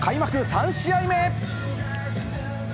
３試合目。